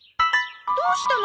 どうしたの？